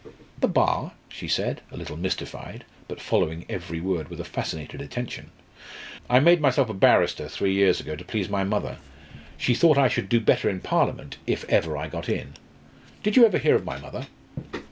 "The Bar?" she said, a little mystified, but following every word with a fascinated attention. "I made myself a barrister three years ago, to please my mother. She thought I should do better in Parliament if ever I got in. Did you ever hear of my mother?"